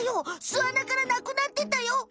すあなからなくなってたよ！